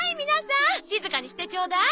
静かにしてちょうだい。